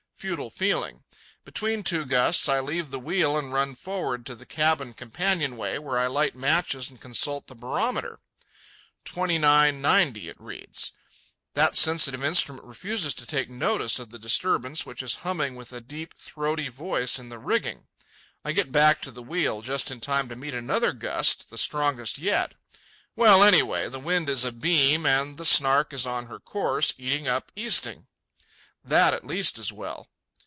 Futile feeling. Between two gusts I leave the wheel and run forward to the cabin companionway, where I light matches and consult the barometer. "29 90" it reads. That sensitive instrument refuses to take notice of the disturbance which is humming with a deep, throaty voice in the rigging. I get back to the wheel just in time to meet another gust, the strongest yet. Well, anyway, the wind is abeam and the Snark is on her course, eating up easting. That at least is well.